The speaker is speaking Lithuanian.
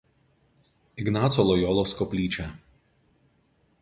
Ignaco Lojolos koplyčią.